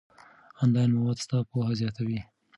آنلاین مواد ستا پوهه زیاتوي.